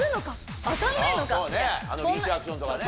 そうねリーチアクションとかね。